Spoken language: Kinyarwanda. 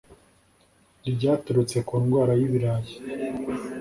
ryaturutse ku ndwara y’ibirayi